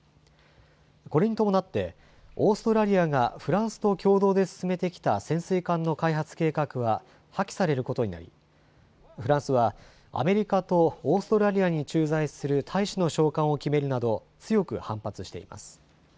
これに伴って、オーストラリアがフランスと共同で進めてきた潜水艦の開発計画は破棄されることになり、フランスはアメリカとオーストラリアに駐在する大使の召還を決めるなど、強く反発しています。